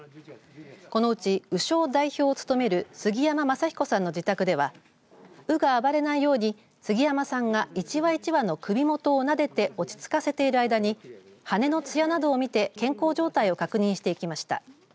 このうち鵜匠代表を務める杉山雅彦さんの自宅では鵜が暴れないように杉山さんが１羽１羽の首元を撫でて落ち着かせている間に羽のつやなどを見て健康状態を確認していきました。